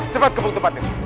cepat ke tempat ini